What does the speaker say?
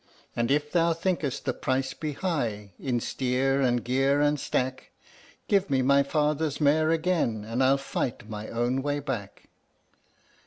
And if thou thinkest the price be high, in steer and gear and stack, Give me my father's mare again, and I'll fight my own way back!"